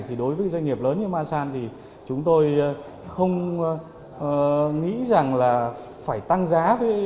thì đối với doanh nghiệp lớn như masan thì chúng tôi không nghĩ rằng là phải tăng giá